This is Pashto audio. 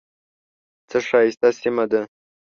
څه ښایسته سیمه ده .